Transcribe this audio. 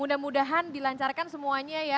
mudah mudahan dilancarkan semuanya ya